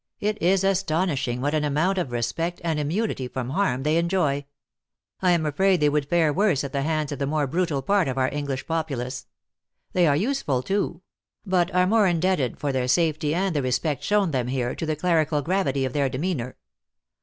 It is astonishing what an amount of respect, and an immunity from harm, they enjoy. I am afraid they would fare worse at the hands of the more brutal part of our English popu lace. They are useful, too ; but are more indebted for their safety, and the respect shown them here, to the clerical gravity of their demeanor."